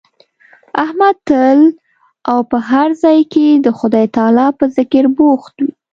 احمد تل او په هر ځای کې د خدای تعالی په ذکر بوخت وي.